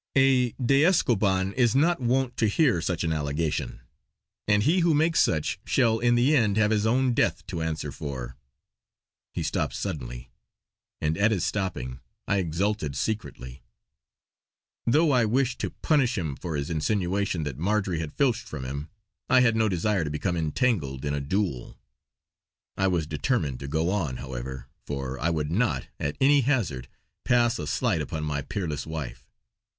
"A de Escoban is not wont to hear such an allegation; and he who makes such shall in the end have his own death to answer for!" He stopped suddenly, and at his stopping I exulted secretly; though I wished to punish him for his insinuation that Marjory had filched from him, I had no desire to become entangled in a duel. I was determined to go on, however; for I would not, at any hazard, pass a slight upon my peerless wife.